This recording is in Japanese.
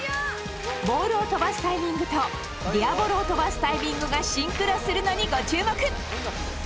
ボールを飛ばすタイミングとディアボロを飛ばすタイミングがシンクロするのにご注目！